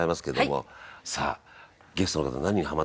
さあゲストの方何にハマってるんでしょうか？